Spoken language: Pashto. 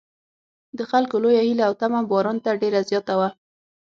د خلکو لویه هیله او تمه باران ته ډېره زیاته وه.